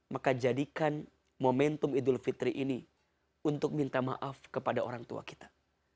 maka jadikan momentum idul fitri ini untuk minta maaf kepada orang tua kita